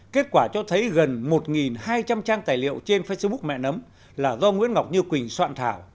kết quả cho thấy gần một hai trăm linh trang tài liệu trên facebook mẹ nấm là do nguyễn ngọc như quỳnh soạn thảo